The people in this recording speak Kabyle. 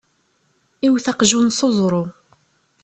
Iwet aqjun s uẓru.